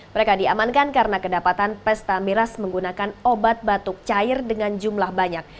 mereka diamankan karena kedapatan pesta miras menggunakan obat batuk cair dengan jumlah banyak